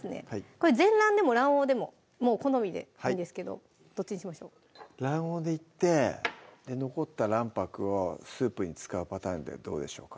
これ全卵でも卵黄でももう好みでいいんですけどどっちにしましょう卵黄でいって残った卵白をスープに使うパターンでどうでしょうか？